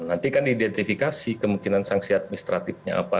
nanti kan diidentifikasi kemungkinan sanksi administratifnya apa